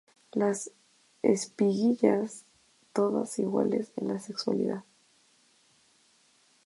Las espiguillas todas iguales en la sexualidad.